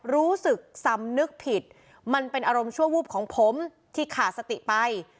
รู้สึกสำนึกผิดมันเป็นอารมณ์ชั่ววูบของผมที่ขาดสติไป